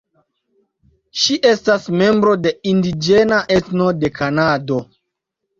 Ŝi estas membro de indiĝena etno de Kanado.